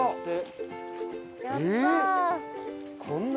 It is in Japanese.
やったー！